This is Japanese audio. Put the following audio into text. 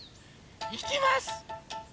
いきます！